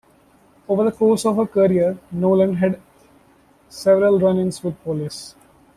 Over the course of her career, Nolan had several run-ins with police.